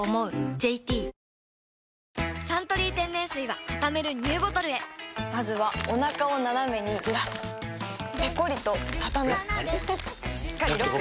ＪＴ「サントリー天然水」はたためるＮＥＷボトルへまずはおなかをナナメにずらすペコリ！とたたむしっかりロック！